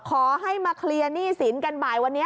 ขอให้มาเคลียร์หนี้สินกันบ่ายวันนี้